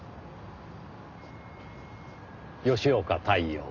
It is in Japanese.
吉岡太陽。